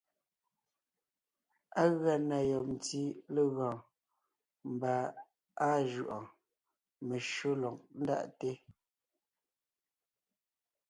Á gʉa na yɔb ntí legɔɔn, mbà áa jʉʼɔɔn, meshÿó lɔg ńdaʼte.